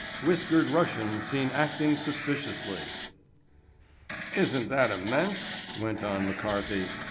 –––– WHISKERED RUSSIAN SEEN ACTING SUSPICIOUSLY –––– "Isn't that immense?" went on McCarthy.